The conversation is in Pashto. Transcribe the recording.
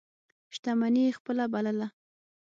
شتمني یې خپله بلله.